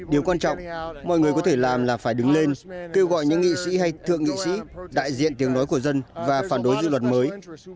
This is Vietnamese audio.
điều quan trọng mọi người có thể làm là phải đứng lên kêu gọi những nghị sĩ hay thượng nghị sĩ đại diện tiếng nói của dân và phản đối dự luật mới